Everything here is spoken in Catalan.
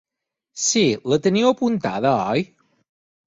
Si, la teniu apuntada oi?